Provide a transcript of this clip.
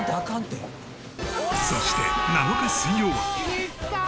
そして７日水曜は。